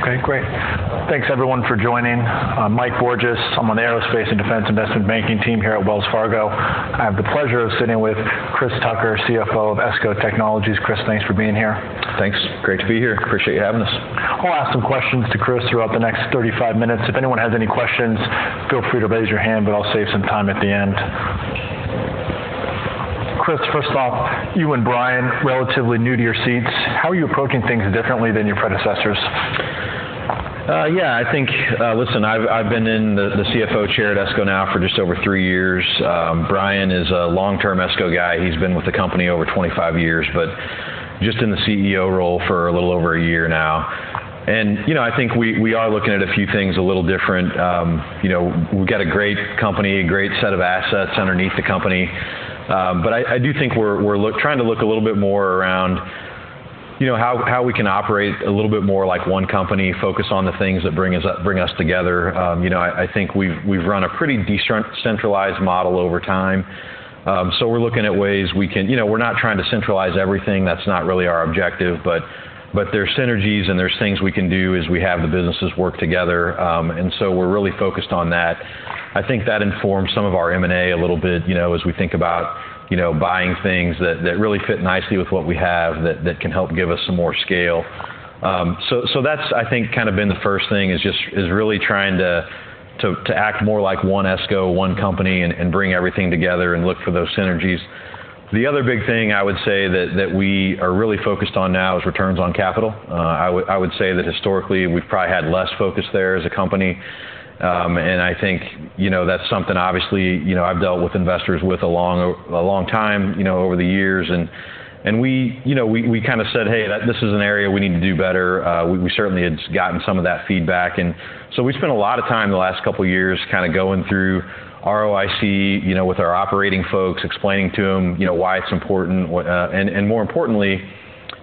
Okay, great. Thanks everyone for joining. I'm Mike Borges. I'm on the Aerospace and Defense Investment Banking team here at Wells Fargo. I have the pleasure of sitting with Chris Tucker, CFO of ESCO Technologies. Chris, thanks for being here. Thanks. Great to be here. Appreciate you having us. I'll ask some questions to Chris throughout the next 35 minutes. If anyone has any questions, feel free to raise your hand, but I'll save some time at the end. Chris, first off, you and Bryan, relatively new to your seats, how are you approaching things differently than your predecessors? Yeah, I think, listen, I've been in the CFO chair at ESCO now for just over three years. Bryan is a long-term ESCO guy. He's been with the company over 25 years, but just in the CEO role for a little over a year now. You know, I think we are looking at a few things a little different. You know, we've got a great company, a great set of assets underneath the company, but I do think we're trying to look a little bit more around, you know, how we can operate a little bit more like one company, focus on the things that bring us together. You know, I think we've run a pretty decentralized model over time. So we're looking at ways we can. You know, we're not trying to centralize everything. That's not really our objective, but there's synergies, and there's things we can do as we have the businesses work together. And so we're really focused on that. I think that informs some of our M&A a little bit, you know, as we think about, you know, buying things that really fit nicely with what we have, that can help give us some more scale. So that's, I think, kind of been the first thing, is really trying to act more like One ESCO, one company, and bring everything together and look for those synergies. The other big thing I would say that we are really focused on now is returns on capital. I would say that historically, we've probably had less focus there as a company. I think, you know, that's something obviously, you know, I've dealt with investors with a long time, you know, over the years, and we, you know, we kind of said, "Hey, this is an area we need to do better." We certainly had gotten some of that feedback, and so we spent a lot of time in the last couple of years kind of going through ROIC, you know, with our operating folks, explaining to them, you know, why it's important, what and more importantly,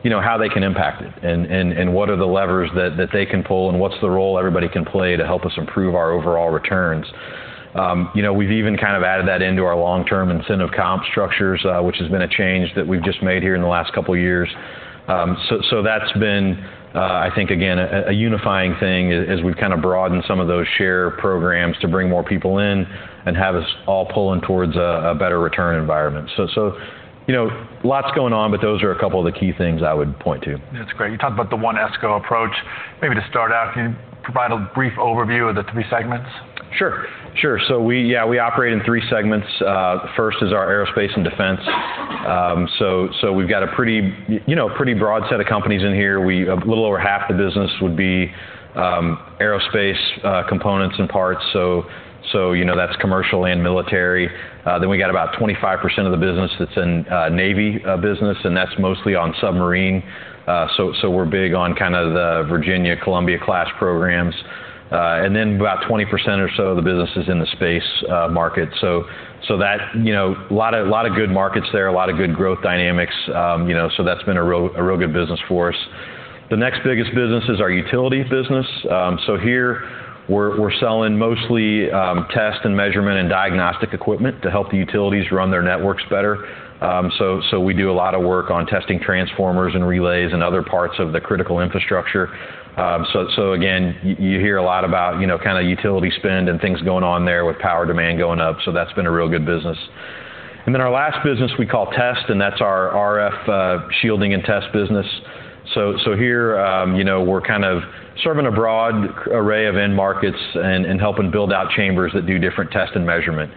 you know, how they can impact it, and what are the levers that they can pull, and what's the role everybody can play to help us improve our overall returns? You know, we've even kind of added that into our long-term incentive comp structures, which has been a change that we've just made here in the last couple of years. So that's been, I think, again, a unifying thing as we've kind of broadened some of those share programs to bring more people in and have us all pulling towards a better return environment. You know, lots going on, but those are a couple of the key things I would point to. That's great. You talked about the One ESCO approach. Maybe to start out, can you provide a brief overview of the three segments? Sure. Sure. So we, yeah, we operate in three segments. The first is our aerospace and defense. So we've got a pretty, you know, pretty broad set of companies in here. A little over half the business would be aerospace components and parts, so you know, that's commercial and military. Then we got about 25% of the business that's in Navy business, and that's mostly on submarine. So we're big on kind of the Virginia-class, Columbia-class programs. And then about 20% or so of the business is in the space market. So that, you know, a lot of good markets there, a lot of good growth dynamics. You know, so that's been a real good business for us. The next biggest business is our utility business. So here, we're selling mostly test and measurement and diagnostic equipment to help the utilities run their networks better. So we do a lot of work on testing transformers and relays and other parts of the critical infrastructure. So again, you hear a lot about, you know, kind of utility spend and things going on there with power demand going up, so that's been a real good business. And then our last business, we call test, and that's our RF shielding and test business. So here, you know, we're kind of serving a broad array of end markets and helping build out chambers that do different test and measurement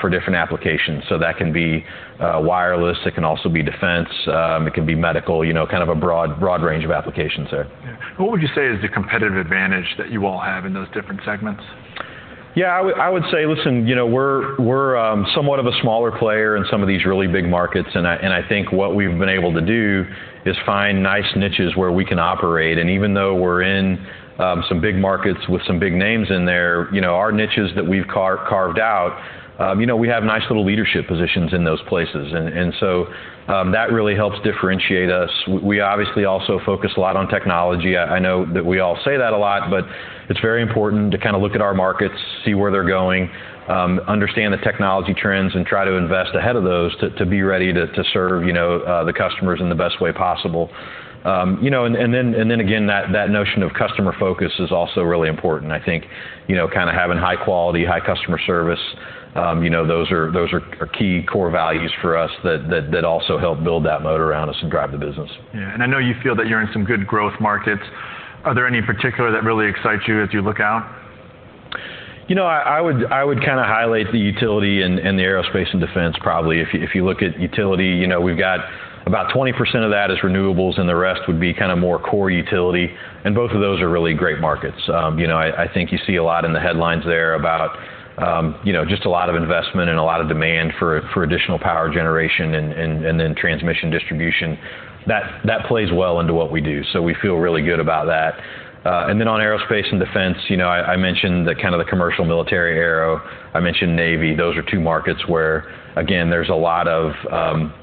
for different applications. That can be wireless, it can also be defense, it can be medical, you know, kind of a broad, broad range of applications there. Yeah. What would you say is the competitive advantage that you all have in those different segments? Yeah, I would say, listen, you know, we're somewhat of a smaller player in some of these really big markets, and I think what we've been able to do is find nice niches where we can operate. And even though we're in some big markets with some big names in there, you know, our niches that we've carved out, you know, we have nice little leadership positions in those places. And so, that really helps differentiate us. We obviously also focus a lot on technology. I know that we all say that a lot, but it's very important to kind of look at our markets, see where they're going, understand the technology trends, and try to invest ahead of those to be ready to serve, you know, the customers in the best way possible. You know, and then again, that notion of customer focus is also really important. I think, you know, kind of having high quality, high customer service, you know, those are key core values for us that also help build that moat around us and drive the business. Yeah, and I know you feel that you're in some good growth markets. Are there any particular that really excite you as you look out? You know, I would kind of highlight the utility and the aerospace and defense, probably. If you look at utility, you know, we've got about 20% of that is renewables, and the rest would be kind of more core utility, and both of those are really great markets. You know, I think you see a lot in the headlines there about, you know, just a lot of investment and a lot of demand for additional power generation and then transmission distribution. That plays well into what we do, so we feel really good about that. And then on aerospace and defense, you know, I mentioned the kind of the commercial military aero. I mentioned Navy. Those are two markets where, again, there's a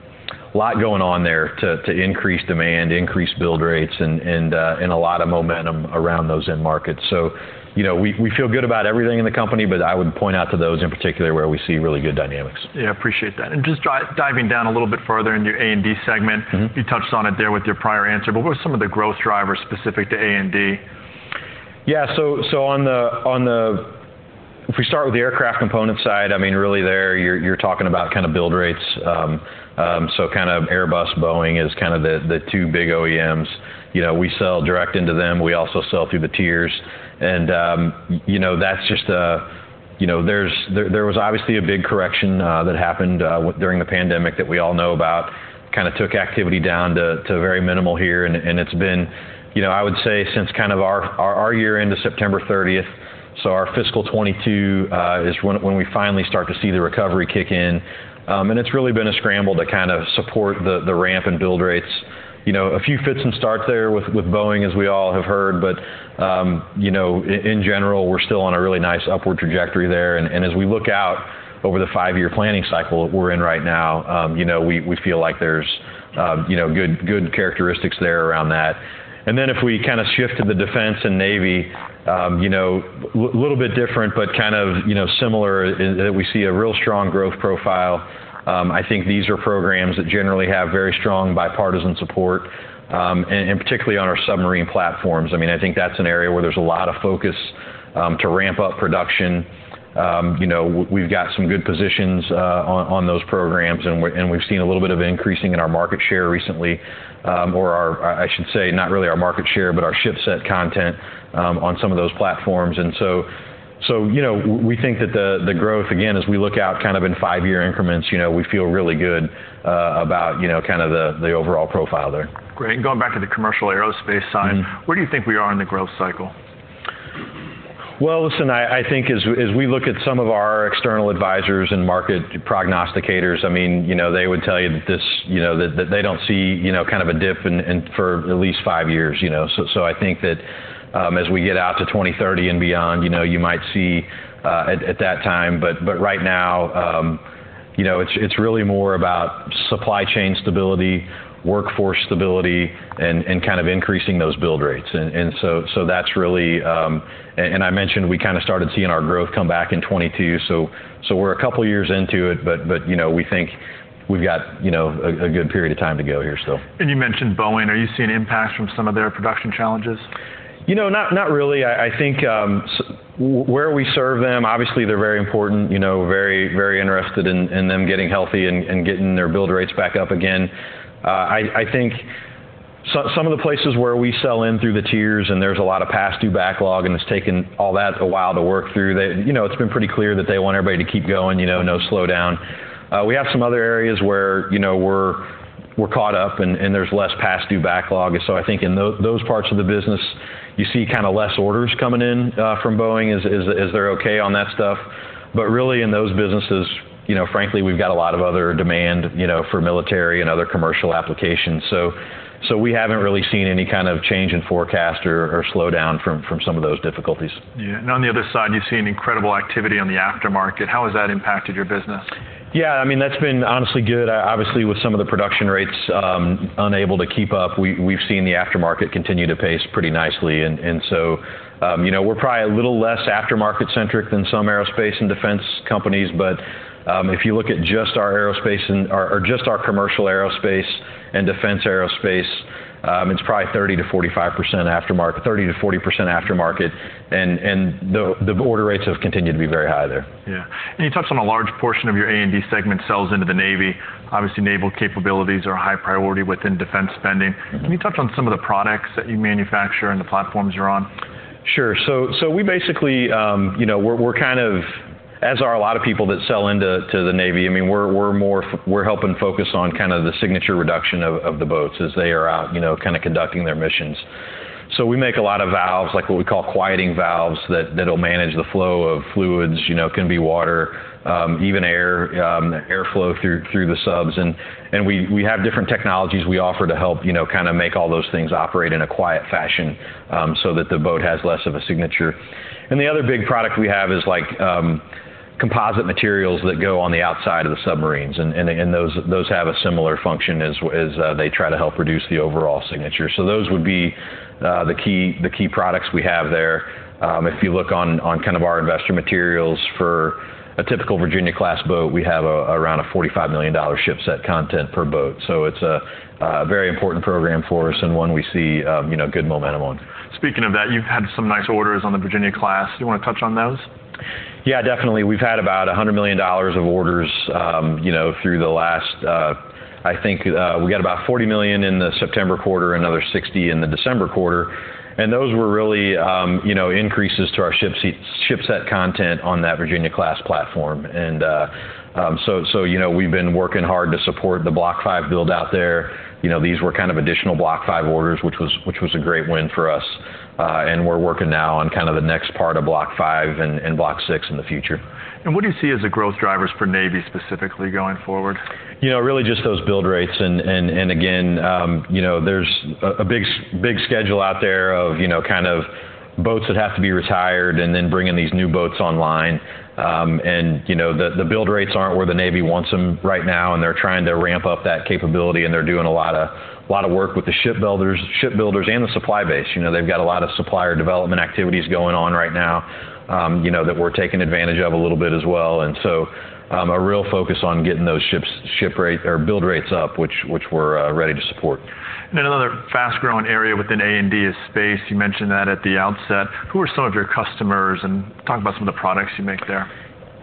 lot going on there to increase demand, increase build rates, and a lot of momentum around those end markets. So, you know, we feel good about everything in the company, but I would point out to those in particular where we see really good dynamics. Yeah, appreciate that. And just diving down a little bit further in your A&D segment, Mm-hmm. You touched on it there with your prior answer, but what are some of the growth drivers specific to A&D? Yeah, if we start with the aircraft component side, I mean, really there, you're talking about kind of build rates, so kind of Airbus, Boeing is kind of the two big OEMs. You know, we sell direct into them. We also sell through the tiers, and you know, that's just, you know, there was obviously a big correction that happened during the pandemic that we all know about, kind of took activity down to very minimal here, and it's been, you know, I would say since kind of our year end of September 30th, so our fiscal 2022, is when we finally start to see the recovery kick in. And it's really been a scramble to kind of support the ramp and build rates. You know, a few fits and starts there with Boeing, as we all have heard, but you know, in general, we're still on a really nice upward trajectory there, and as we look out over the five-year planning cycle we're in right now, you know, we feel like there's you know, good, good characteristics there around that. And then, if we kind of shift to the defense and Navy, you know, little bit different, but kind of, you know, similar in that we see a real strong growth profile. I think these are programs that generally have very strong bipartisan support, and particularly on our submarine platforms. I mean, I think that's an area where there's a lot of focus to ramp up production. You know, we've got some good positions on those programs, and we've seen a little bit of increasing in our market share recently, or our, I should say, not really our market share, but our shipset content on some of those platforms. And so, you know, we think that the growth, again, as we look out kind of in five-year increments, you know, we feel really good about, you know, kind of the overall profile there. Great. Going back to the commercial aerospace side- Mm-hmm. Where do you think we are in the growth cycle? Well, listen, I think as we look at some of our external advisors and market prognosticators, I mean, you know, they would tell you that this, you know, that they don't see, you know, kind of a dip in for at least five years, you know? So, I think that, as we get out to 2030 and beyond, you know, you might see at that time, but right now, you know, it's really more about supply chain stability, workforce stability, and kind of increasing those build rates. And, so that's really. And, I mentioned we kind of started seeing our growth come back in 2022, so, we're a couple years into it, but, you know, we think we've got, you know, a good period of time to go here still. You mentioned Boeing. Are you seeing impacts from some of their production challenges? You know, not, not really. I think where we serve them, obviously, they're very important, you know, very, very interested in them getting healthy and getting their build rates back up again. I think some of the places where we sell in through the tiers, and there's a lot of past due backlog, and it's taken all that a while to work through, they. You know, it's been pretty clear that they want everybody to keep going, you know, no slowdown. We have some other areas where, you know, we're caught up, and there's less past due backlog, and so I think in those parts of the business, you see kind of less orders coming in from Boeing as they're okay on that stuff. Really, in those businesses, you know, frankly, we've got a lot of other demand, you know, for military and other commercial applications. So we haven't really seen any kind of change in forecast or slowdown from some of those difficulties. Yeah, and on the other side, you've seen incredible activity on the aftermarket. How has that impacted your business? Yeah, I mean, that's been honestly good. Obviously, with some of the production rates unable to keep up, we've seen the aftermarket continue to pace pretty nicely. And so, you know, we're probably a little less aftermarket-centric than some aerospace and defense companies, but if you look at just our aerospace and or just our commercial aerospace and defense aerospace, it's probably 30%-45% aftermarket, 30%-40% aftermarket, and the order rates have continued to be very high there. Yeah. You touched on a large portion of your A&D segment sells into the Navy. Obviously, naval capabilities are a high priority within defense spending. Mm-hmm. Can you touch on some of the products that you manufacture and the platforms you're on? Sure. So we basically, you know, we're kind of, as are a lot of people that sell into the Navy, I mean, we're helping focus on kind of the signature reduction of the boats as they are out, you know, kind of conducting their missions. So we make a lot of valves, like what we call quieting valves, that'll manage the flow of fluids, you know, can be water, even air, airflow through the subs. And we have different technologies we offer to help, you know, kind of make all those things operate in a quiet fashion, so that the boat has less of a signature. And the other big product we have is, like, composite materials that go on the outside of the submarines, and those have a similar function, as they try to help reduce the overall signature. So those would be the key products we have there. If you look on kind of our investor materials, for a typical Virginia-class boat, we have around a $45 million shipset content per boat, so it's a very important program for us and one we see, you know, good momentum on. Speaking of that, you've had some nice orders on the Virginia-class. Do you wanna touch on those? Yeah, definitely. We've had about $100 million of orders, you know, through the last, I think, we got about $40 million in the September quarter, another $60 million in the December quarter, and those were really, you know, increases to our ship set content on that Virginia-class platform. So, you know, we've been working hard to support the Block V build-out there. You know, these were kind of additional Block V orders, which was, which was a great win for us, and we're working now on kind of the next part of Block V and Block VI in the future. What do you see as the growth drivers for Navy specifically going forward? You know, really just those build rates, and again, you know, there's a big schedule out there of, you know, kind of boats that have to be retired, and then bringing these new boats online. You know, the build rates aren't where the Navy wants them right now, and they're trying to ramp up that capability, and they're doing a lot of work with the ship builders and the supply base. You know, they've got a lot of supplier development activities going on right now, you know, that we're taking advantage of a little bit as well. And so, a real focus on getting those ships, ship rate or build rates up, which we're ready to support. Another fast-growing area within A&D is space. You mentioned that at the outset. Who are some of your customers? And talk about some of the products you make there.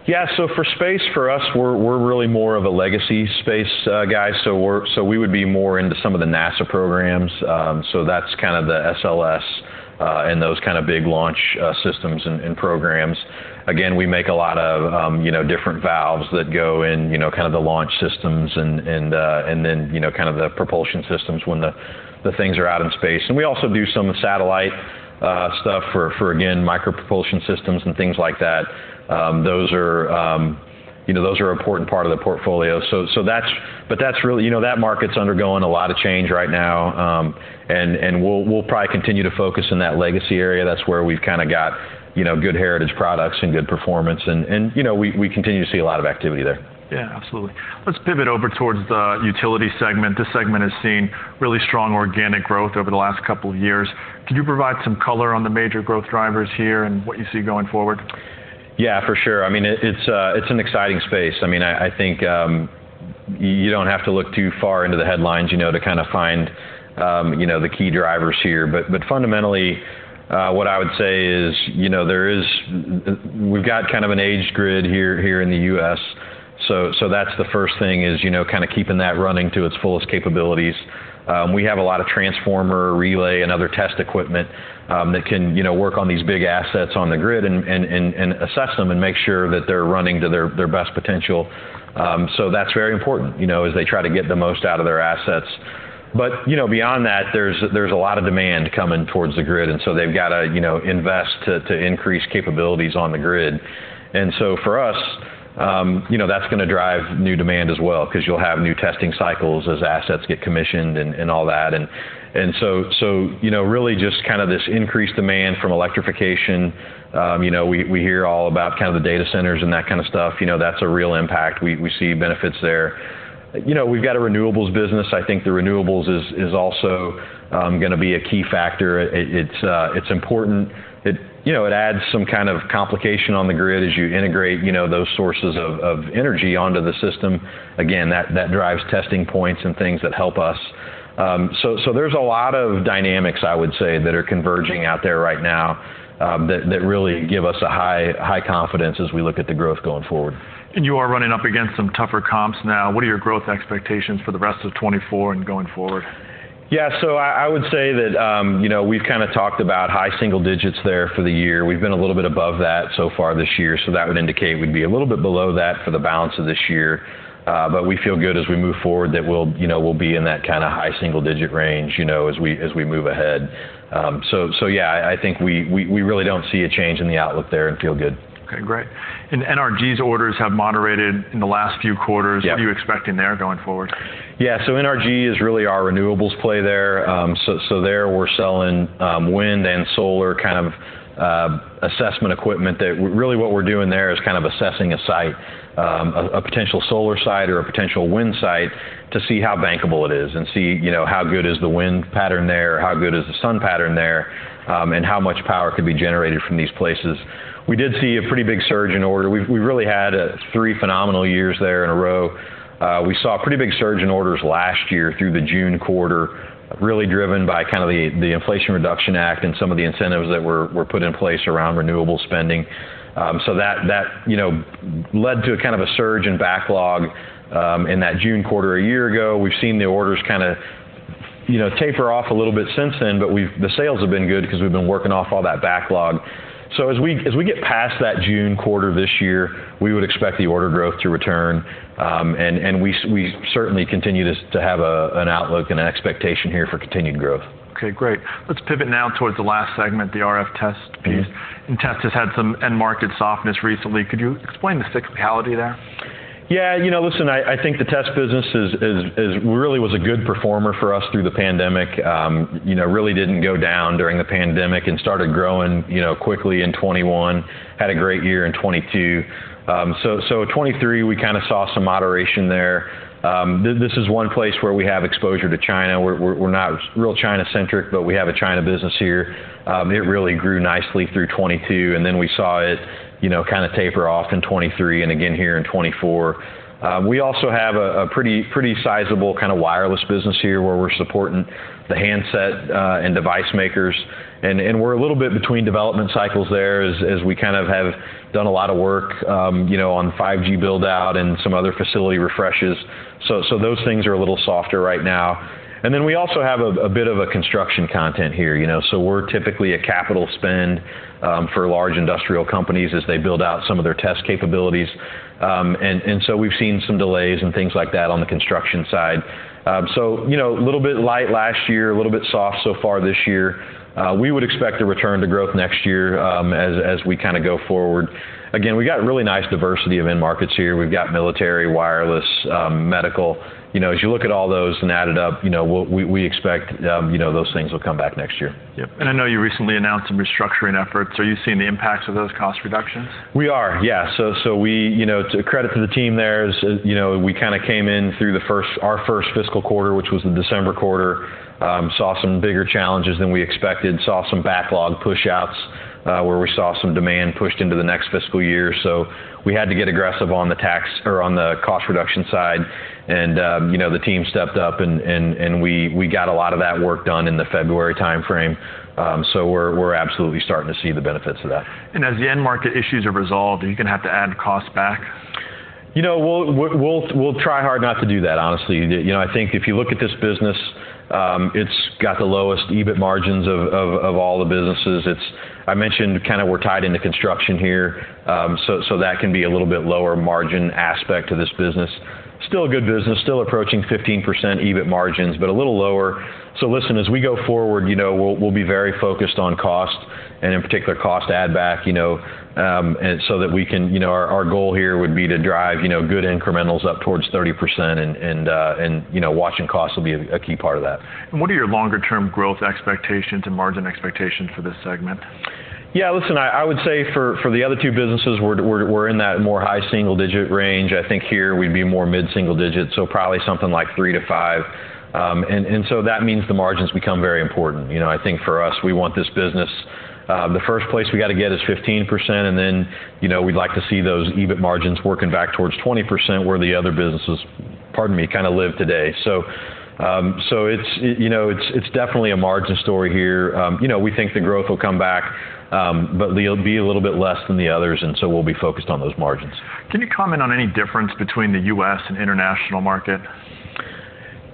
Yeah, so for space, for us, we're really more of a legacy space guy, so we would be more into some of the NASA programs. So that's kind of the SLS and those kind of big launch systems and then, you know, kind of the propulsion systems when the things are out in space. And we also do some satellite stuff for again, micro-propulsion systems and things like that. Those are, you know, those are an important part of the portfolio. So that's but that's really. You know, that market's undergoing a lot of change right now. And we'll probably continue to focus in that legacy area. That's where we've kind of got, you know, good heritage products and good performance, and, you know, we continue to see a lot of activity there. Yeah, absolutely. Let's pivot over towards the utility segment. This segment has seen really strong organic growth over the last couple of years. Could you provide some color on the major growth drivers here and what you see going forward? Yeah, for sure. I mean, it, it's, it's an exciting space. I mean, I, I think, you, you don't have to look too far into the headlines, you know, to kind of find, you know, the key drivers here. But, but fundamentally, what I would say is, you know, there is, we've got kind of an aged grid here in the U.S., so that's the first thing, is, you know, kind of keeping that running to its fullest capabilities. We have a lot of transformer, relay, and other test equipment, that can, you know, work on these big assets on the grid and assess them, and make sure that they're running to their best potential. So that's very important, you know, as they try to get the most out of their assets. But, you know, beyond that, there's a lot of demand coming towards the grid, and so they've got to, you know, invest to increase capabilities on the grid. And so for us, you know, that's gonna drive new demand as well, 'cause you'll have new testing cycles as assets get commissioned and all that. And so, you know, really just kind of this increased demand from electrification. You know, we hear all about kind of the data centers and that kind of stuff. You know, that's a real impact. We see benefits there. You know, we've got a renewables business. I think the renewables is also gonna be a key factor. It, it's important. It. You know, it adds some kind of complication on the grid as you integrate, you know, those sources of, of energy onto the system. Again, that, that drives testing points and things that help us. So, so there's a lot of dynamics, I would say, that are converging out there right now, that, that really give us a high, high confidence as we look at the growth going forward. You are running up against some tougher comps now. What are your growth expectations for the rest of 2024 and going forward? Yeah, so I would say that, you know, we've kind of talked about high single digits there for the year. We've been a little bit above that so far this year, so that would indicate we'd be a little bit below that for the balance of this year. But we feel good as we move forward, that we'll, you know, we'll be in that kind of high single-digit range, you know, as we move ahead. So, yeah, I think we really don't see a change in the outlook there and feel good. Okay, great. NRG's orders have moderated in the last few quarters. Yeah. What are you expecting there going forward? Yeah, so NRG is really our renewables play there. So there, we're selling wind and solar kind of assessment equipment that really what we're doing there is kind of assessing a site, a potential solar site or a potential wind site to see how bankable it is and see, you know, how good is the wind pattern there, or how good is the sun pattern there, and how much power could be generated from these places. We did see a pretty big surge in order. We really had three phenomenal years there in a row. We saw a pretty big surge in orders last year through the June quarter, really driven by kind of the Inflation Reduction Act and some of the incentives that were put in place around renewable spending. So that, you know, led to a kind of a surge in backlog in that June quarter a year ago. We've seen the orders kind of, you know, taper off a little bit since then, but the sales have been good because we've been working off all that backlog. So as we get past that June quarter this year, we would expect the order growth to return. And we certainly continue to have an outlook and an expectation here for continued growth. Okay, great. Let's pivot now towards the last segment, the RF test piece. Mm-hmm. Test has had some end market softness recently. Could you explain the cyclicality there? Yeah, you know, listen, I think the test business really was a good performer for us through the pandemic. You know, really didn't go down during the pandemic and started growing, you know, quickly in 2021. Had a great year in 2022. So, 2023, we kind of saw some moderation there. This is one place where we have exposure to China. We're not real China-centric, but we have a China business here. It really grew nicely through 2022, and then we saw it, you know, kind of taper off in 2023 and again here in 2024. We also have a pretty sizable kind of wireless business here, where we're supporting the handset and device makers. We're a little bit between development cycles there as we kind of have done a lot of work, you know, on 5G build-out and some other facility refreshes. So those things are a little softer right now. And then we also have a bit of a construction content here, you know. So we're typically a capital spend for large industrial companies as they build out some of their test capabilities. And so we've seen some delays and things like that on the construction side. So, you know, a little bit light last year, a little bit soft so far this year. We would expect a return to growth next year as we kind of go forward. Again, we've got really nice diversity of end markets here. We've got military, wireless, medical. You know, as you look at all those and add it up, you know, we expect, you know, those things will come back next year. Yeah, and I know you recently announced some restructuring efforts. Are you seeing the impacts of those cost reductions? Yeah. You know, to the credit of the team there, you know, we kind of came in through our first fiscal quarter, which was the December quarter. We saw some bigger challenges than we expected, saw some backlog pushouts, where we saw some demand pushed into the next fiscal year. So we had to get aggressive on the tack or on the cost reduction side. And, you know, the team stepped up, and we got a lot of that work done in the February timeframe. So we're absolutely starting to see the benefits of that. As the end market issues are resolved, are you gonna have to add costs back? You know, we'll try hard not to do that, honestly. You know, I think if you look at this business, it's got the lowest EBIT margins of all the businesses. It's. I mentioned kind of we're tied into construction here, so that can be a little bit lower margin aspect to this business. Still a good business, still approaching 15% EBIT margins, but a little lower. So listen, as we go forward, you know, we'll be very focused on cost, and in particular, cost add back, you know, and so that we can. You know, our goal here would be to drive, you know, good incrementals up towards 30% and you know, watching costs will be a key part of that. What are your longer-term growth expectations and margin expectations for this segment? Yeah, listen, I would say for the other two businesses, we're in that more high single digit range. I think here, we'd be more mid-single digits, so probably something like 3-5. And so that means the margins become very important. You know, I think for us, we want this business, the first place we gotta get is 15%, and then, you know, we'd like to see those EBIT margins working back towards 20%, where the other businesses, pardon me, kind of live today. So, it's definitely a margin story here. You know, we think the growth will come back, but it'll be a little bit less than the others, and so we'll be focused on those margins. Can you comment on any difference between the U.S. and international market?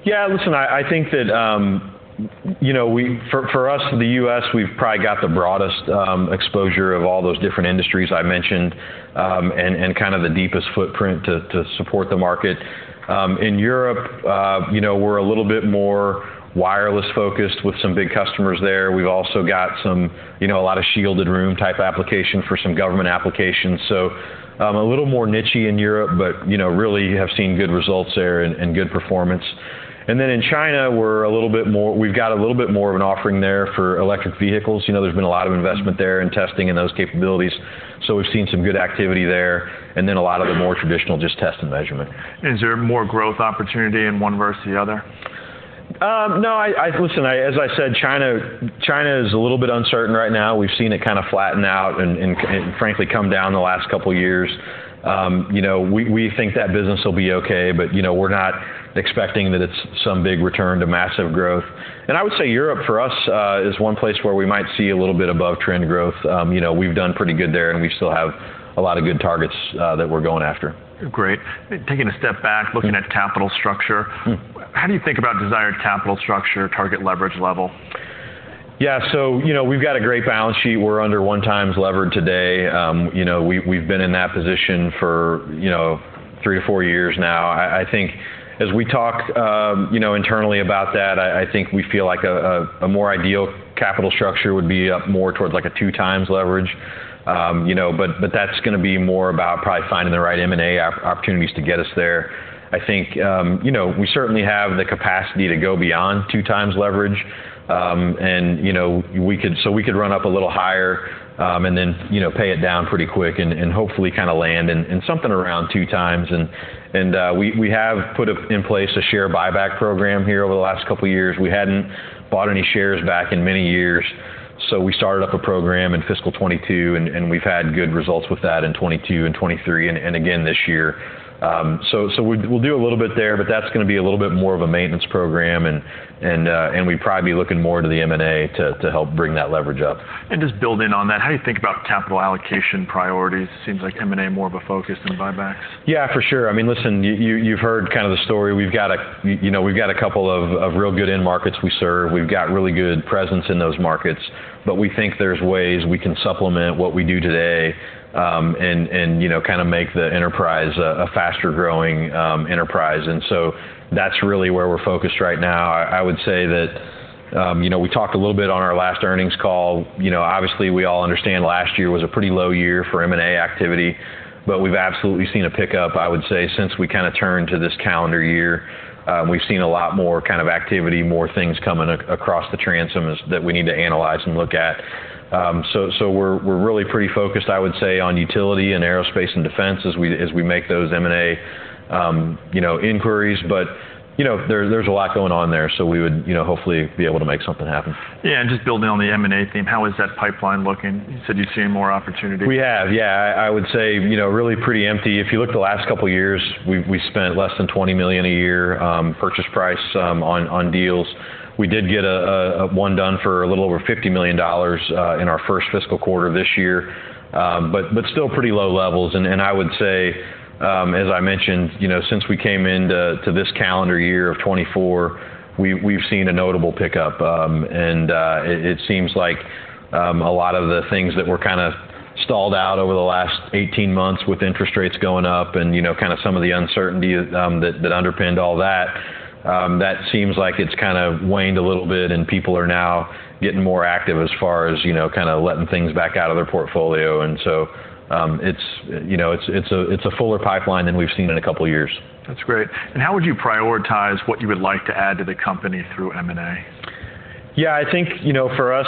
Yeah, listen, I think that, you know, we—for us, the US, we've probably got the broadest exposure of all those different industries I mentioned, and kind of the deepest footprint to support the market. In Europe, you know, we're a little bit more wireless-focused with some big customers there. We've also got some, you know, a lot of shielded room-type application for some government applications, so a little more niche-y in Europe, but, you know, really have seen good results there and good performance. And then in China, we're a little bit more—we've got a little bit more of an offering there for electric vehicles. You know, there's been a lot of investment there in testing and those capabilities, so we've seen some good activity there, and then a lot of the more traditional, just test and measurement. Is there more growth opportunity in one versus the other? No, listen, as I said, China is a little bit uncertain right now. We've seen it kind of flatten out and frankly come down the last couple years. You know, we think that business will be okay, but you know, we're not expecting that it's some big return to massive growth. And I would say Europe, for us, is one place where we might see a little bit above-trend growth. You know, we've done pretty good there, and we still have a lot of good targets that we're going after. Great. Taking a step back, looking at capital structure- Mm. How do you think about desired capital structure, target leverage level? Yeah, so, you know, we've got a great balance sheet. We're under 1x levered today. You know, we've been in that position for, you know, 3-4 years now. I think as we talk, you know, internally about that, I think we feel like a more ideal capital structure would be up more towards, like, 2x leverage. You know, but that's gonna be more about probably finding the right M&A opportunities to get us there. I think, you know, we certainly have the capacity to go beyond 2x leverage, and, you know, we could, so we could run up a little higher, and then, you know, pay it down pretty quick, and hopefully kind of land in something around 2x. We have put in place a share buyback program here over the last couple years. We hadn't bought any shares back in many years, so we started up a program in fiscal 2022, and we've had good results with that in 2022 and 2023 and again this year. We'll do a little bit there, but that's gonna be a little bit more of a maintenance program, and we'd probably be looking more to the M&A to help bring that leverage up. Just building on that, how do you think about capital allocation priorities? It seems like M&A more of a focus than buybacks. Yeah, for sure. I mean, listen, you've heard kind of the story. We've got a couple of real good end markets we serve. We've got really good presence in those markets, but we think there's ways we can supplement what we do today, and you know, kind of make the enterprise a faster-growing enterprise. And so that's really where we're focused right now. I would say that, you know, we talked a little bit on our last earnings call. You know, obviously, we all understand last year was a pretty low year for M&A activity, but we've absolutely seen a pickup, I would say, since we kind of turned to this calendar year. We've seen a lot more kind of activity, more things coming across the transom that we need to analyze and look at. So, we're really pretty focused, I would say, on utility and aerospace and defense as we make those M&A, you know, inquiries. But, you know, there's a lot going on there, so we would, you know, hopefully be able to make something happen. Yeah, and just building on the M&A theme, how is that pipeline looking? You said you're seeing more opportunity. We have, yeah. I would say, you know, really pretty empty. If you look at the last couple years, we spent less than $20 million a year purchase price on deals. We did get one done for a little over $50 million in our first fiscal quarter this year, but still pretty low levels. And I would say, as I mentioned, you know, since we came into this calendar year of 2024, we've seen a notable pickup. It seems like a lot of the things that were kind of stalled out over the last 18 months, with interest rates going up and, you know, kind of some of the uncertainty that underpinned all that, that seems like it's kind of waned a little bit, and people are now getting more active as far as, you know, kind of letting things back out of their portfolio. So, it's, you know, it's a fuller pipeline than we've seen in a couple years. That's great. And how would you prioritize what you would like to add to the company through M&A? Yeah, I think, you know, for us,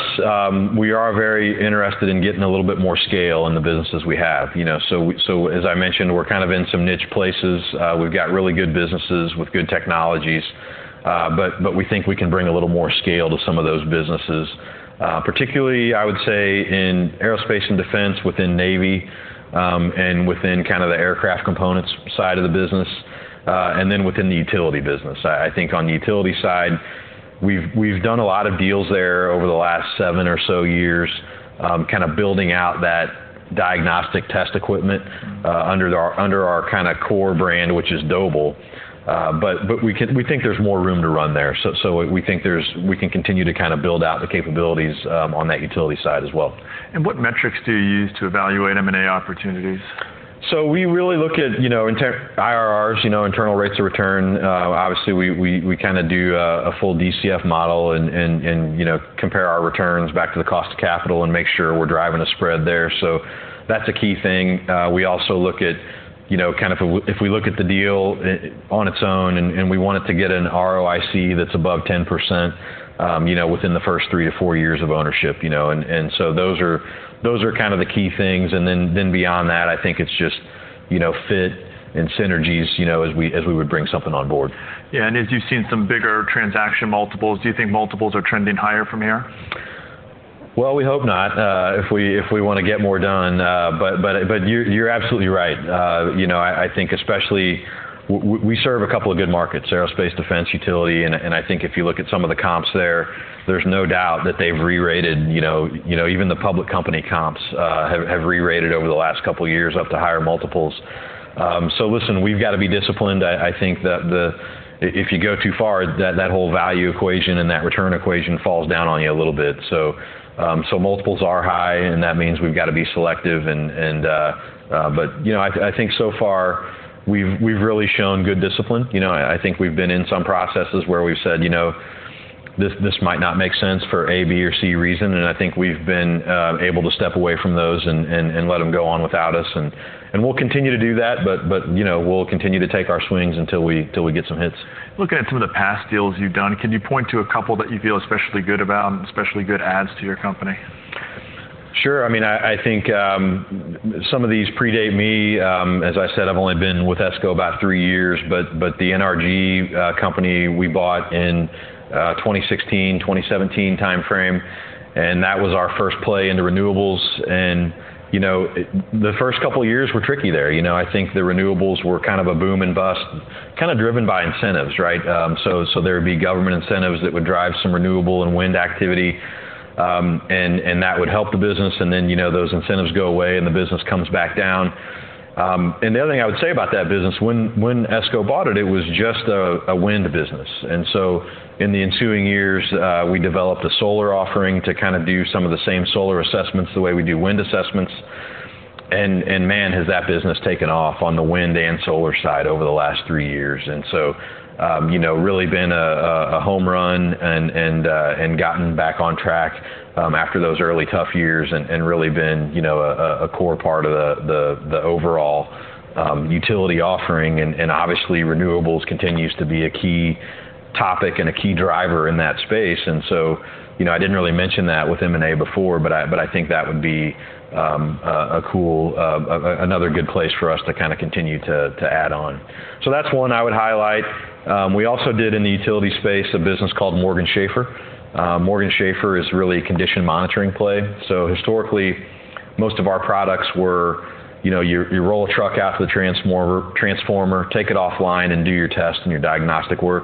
we are very interested in getting a little bit more scale in the businesses we have. You know, so as I mentioned, we're kind of in some niche places. We've got really good businesses with good technologies, but, but we think we can bring a little more scale to some of those businesses, particularly, I would say, in aerospace and defense within Navy, and within kind of the aircraft components side of the business, and then within the utility business. I think on the utility side. We've done a lot of deals there over the last seven or so years, kind of building out that diagnostic test equipment, under our kind of core brand, which is Doble. We think there's more room to run there. We think we can continue to kind of build out the capabilities on that utility side as well. What metrics do you use to evaluate M&A opportunities? So we really look at, you know, IRRs, you know, internal rates of return. Obviously, we kind of do a full DCF model and, you know, compare our returns back to the cost of capital and make sure we're driving a spread there. So that's a key thing. We also look at, you know, kind of if we look at the deal on its own, and we want it to get an ROIC that's above 10%, you know, within the first three to four years of ownership, you know? And so those are kind of the key things. And then beyond that, I think it's just, you know, fit and synergies, you know, as we would bring something on board. Yeah, and as you've seen some bigger transaction multiples, do you think multiples are trending higher from here? Well, we hope not, if we wanna get more done. But you're absolutely right. You know, I think especially we serve a couple of good markets, aerospace, defense, utility, and I think if you look at some of the comps there, there's no doubt that they've rerated, you know. You know, even the public company comps have rerated over the last couple of years up to higher multiples. So listen, we've got to be disciplined. I think that if you go too far, that whole value equation and that return equation falls down on you a little bit. So multiples are high, and that means we've got to be selective, and. But you know, I think so far, we've really shown good discipline. You know, I think we've been in some processes where we've said, "You know, this might not make sense for A, B, or C reason," and I think we've been able to step away from those and let them go on without us. And we'll continue to do that, but you know, we'll continue to take our swings until we get some hits. Looking at some of the past deals you've done, can you point to a couple that you feel especially good about and especially good adds to your company? Sure. I mean, I think some of these predate me. As I said, I've only been with ESCO about three years, but the NRG company, we bought in 2016, 2017 timeframe, and that was our first play into renewables. And, you know, the first couple of years were tricky there. You know, I think the renewables were kind of a boom and bust, kind of driven by incentives, right? So, there would be government incentives that would drive some renewable and wind activity, and that would help the business, and then, you know, those incentives go away, and the business comes back down. And the other thing I would say about that business, when ESCO bought it, it was just a wind business. And so in the ensuing years, we developed a solar offering to kind of do some of the same solar assessments the way we do wind assessments. And, man, has that business taken off on the wind and solar side over the last three years. And so, you know, really been a home run and gotten back on track after those early tough years and really been, you know, a core part of the overall utility offering. And obviously, renewables continues to be a key topic and a key driver in that space. And so, you know, I didn't really mention that with M&A before, but I think that would be a cool another good place for us to kind of continue to add on. So that's one I would highlight. We also did in the utility space, a business called Morgan Schaffer. Morgan Schaffer is really a condition monitoring play. So historically, most of our products were, you know, you roll a truck out to the transformer, take it offline, and do your test and your diagnostic work.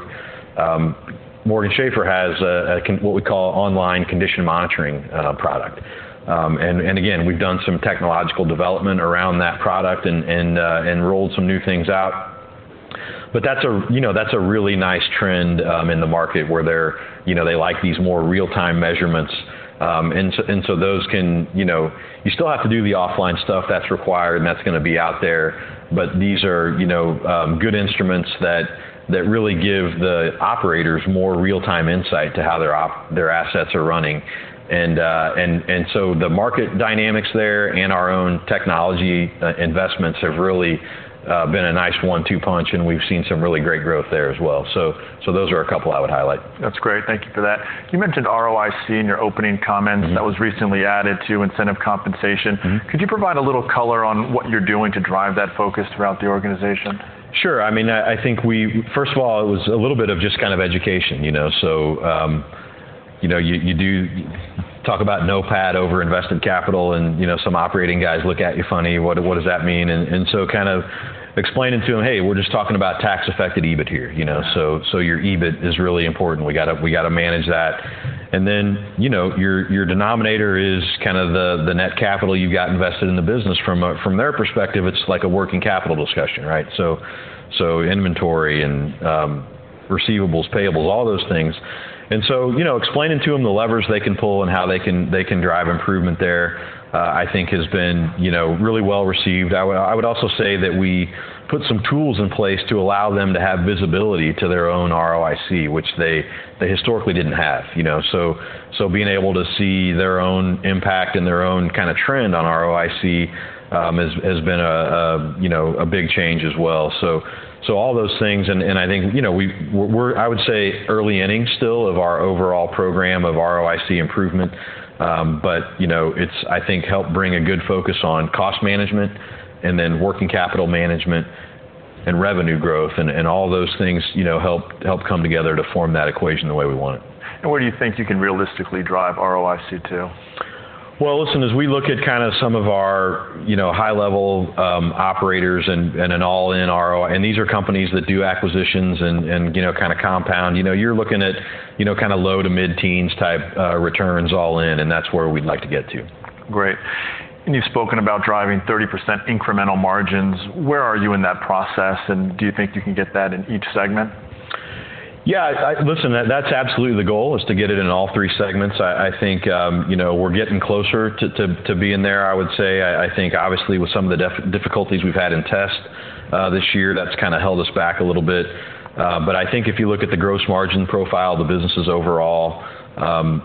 Morgan Schaffer has a what we call online condition monitoring product. And again, we've done some technological development around that product and rolled some new things out. But that's a. You know, that's a really nice trend in the market where they're-- you know, they like these more real-time measurements. And so those can. You know, you still have to do the offline stuff that's required, and that's gonna be out there, but these are, you know, good instruments that really give the operators more real-time insight to how their assets are running. And so the market dynamics there and our own technology investments have really been a nice one-two punch, and we've seen some really great growth there as well. So those are a couple I would highlight. That's great. Thank you for that. You mentioned ROIC in your opening comments. Mm-hmm. That was recently added to incentive compensation. Mm-hmm. Could you provide a little color on what you're doing to drive that focus throughout the organization? Sure. I mean, I think we first of all, it was a little bit of just kind of education, you know? So, you know, you do talk about NOPAT over invested capital, and, you know, some operating guys look at you funny, "What does that mean?" And so kind of explaining to them, "Hey, we're just talking about tax-affected EBIT here, you know, so your EBIT is really important. We got to manage that." And then, you know, your denominator is kind of the net capital you've got invested in the business. From their perspective, it's like a working capital discussion, right? So inventory and receivables, payables, all those things. And so, you know, explaining to them the levers they can pull and how they can drive improvement there, I think has been, you know, really well received. I would also say that we put some tools in place to allow them to have visibility to their own ROIC, which they historically didn't have, you know? So being able to see their own impact and their own kind of trend on ROIC has been a, you know, a big change as well. So all those things, and I think, you know, we're, I would say, early innings still of our overall program of ROIC improvement. But, you know, it's, I think, helped bring a good focus on cost management and then working capital management and revenue growth, and all those things, you know, help come together to form that equation the way we want it. Where do you think you can realistically drive ROIC to? Well, listen, as we look at kind of some of our, you know, high-level operators and an all-in ROI, and these are companies that do acquisitions and, you know, kind of compound, you know, you're looking at, you know, kind of low to mid-teens type returns all in, and that's where we'd like to get to. Great. You've spoken about driving 30% incremental margins. Where are you in that process, and do you think you can get that in each segment? Yeah, listen, that's absolutely the goal, is to get it in all three segments. I think, you know, we're getting closer to being there, I would say. I think, obviously, with some of the difficulties we've had in test this year, that's kind of held us back a little bit. But I think if you look at the gross margin profile of the businesses overall,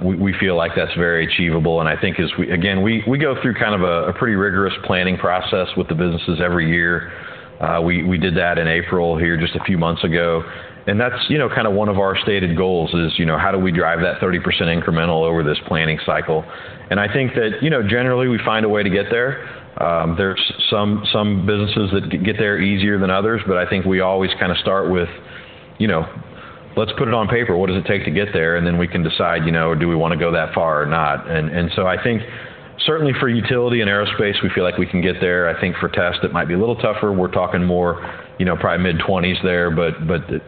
we feel like that's very achievable, and I think as we. Again, we go through kind of a pretty rigorous planning process with the businesses every year. We did that in April here just a few months ago, and that's, you know, kind of one of our stated goals is, you know, how do we drive that 30% incremental over this planning cycle? I think that, you know, generally, we find a way to get there. There's some businesses that get there easier than others, but I think we always kind of start with, you know, let's put it on paper. What does it take to get there? Then we can decide, you know, do we wanna go that far or not? And so I think certainly for utility and aerospace, we feel like we can get there. I think for test, it might be a little tougher. We're talking more, you know, probably mid-twenties there, but,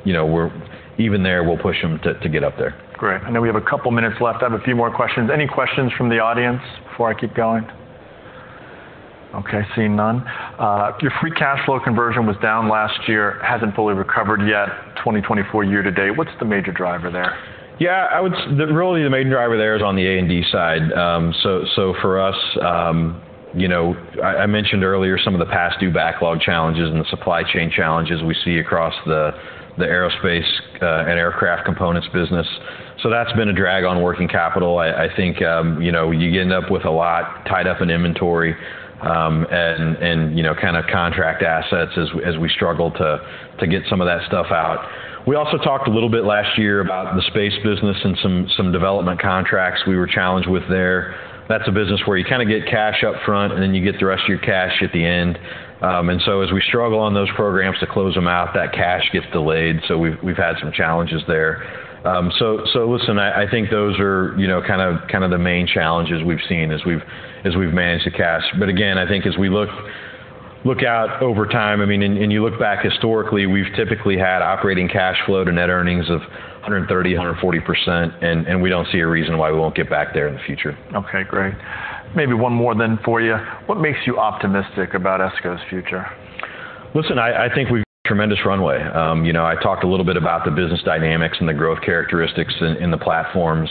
you know, we're even there, we'll push them to get up there. Great. I know we have a couple minutes left. I have a few more questions. Any questions from the audience before I keep going? Okay, seeing none. Your free cash flow conversion was down last year, hasn't fully recovered yet, 2024 year to date. What's the major driver there? Yeah, really, the main driver there is on the A&D side. So for us, you know, I mentioned earlier some of the past due backlog challenges and the supply chain challenges we see across the aerospace and aircraft components business. So that's been a drag on working capital. I think, you know, you end up with a lot tied up in inventory and you know, kind of contract assets as we struggle to get some of that stuff out. We also talked a little bit last year about the space business and some development contracts we were challenged with there. That's a business where you kind of get cash up front, and then you get the rest of your cash at the end. and so as we struggle on those programs to close them out, that cash gets delayed, so we've had some challenges there. So listen, I think those are, you know, kind of the main challenges we've seen as we've managed the cash. But again, I think as we look out over time, I mean, and you look back historically, we've typically had operating cash flow to net earnings of 130%-140%, and we don't see a reason why we won't get back there in the future. Okay, great. Maybe one more then for you. What makes you optimistic about ESCO's future? Listen, I think we've tremendous runway. You know, I talked a little bit about the business dynamics and the growth characteristics in the platforms.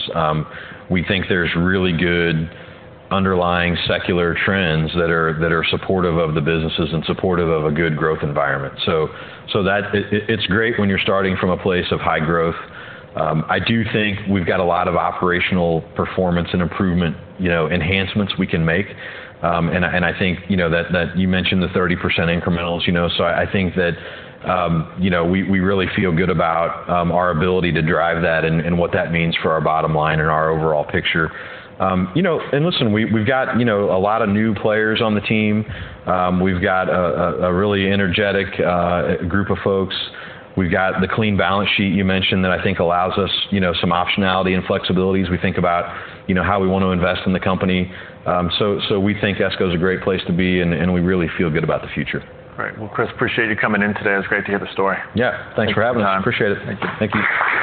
We think there's really good underlying secular trends that are supportive of the businesses and supportive of a good growth environment. It's great when you're starting from a place of high growth. I do think we've got a lot of operational performance and improvement, you know, enhancements we can make. And I think, you know, that you mentioned the 30% incrementals, you know, so I think that, you know, we really feel good about our ability to drive that and what that means for our bottom line and our overall picture. You know, and listen, we've got, you know, a lot of new players on the team. We've got a really energetic group of folks. We've got the clean balance sheet you mentioned that I think allows us, you know, some optionality and flexibilities as we think about, you know, how we want to invest in the company. So we think ESCO is a great place to be, and we really feel good about the future. All right. Well, Chris, appreciate you coming in today. It was great to hear the story. Yeah, thanks for having us. Thank you for your time. Appreciate it. Thank you. Thank you.